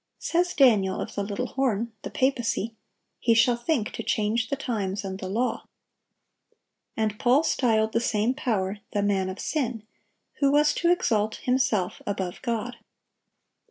Says Daniel, of the little horn, the papacy, "He shall think to change the times and the law."(750) And Paul styled the same power the "man of sin," who was to exalt himself above God.